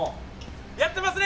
やってますね！